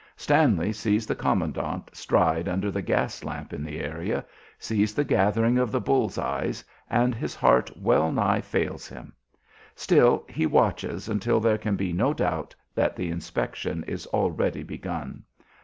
Stanley sees the commandant stride under the gas lamp in the area; sees the gathering of the "bull's eyes," and his heart well nigh fails him. Still he watches until there can be no doubt that the inspection is already begun.